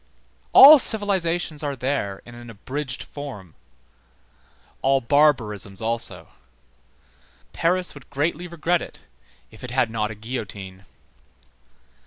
All civilizations are there in an abridged form, all barbarisms also. Paris would greatly regret it if it had not a guillotine.